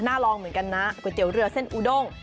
ลองเหมือนกันนะก๋วยเตี๋ยวเรือเส้นอูด้ง